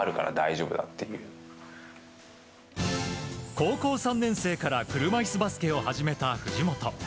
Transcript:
高校３年生から車いすバスケを始めた藤本。